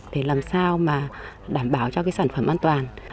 để làm sao đảm bảo cho sản phẩm an toàn